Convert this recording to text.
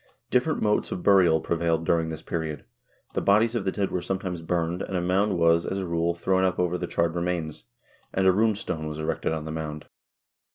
Different modes of burial prevailed during this period. The bodies of the dead were sometimes burned, and a mound was, as a rule, thrown up over the charred remains, and a rune stone was erected on the mound.